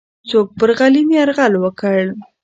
څوک پر غلیم یرغل وکړ؟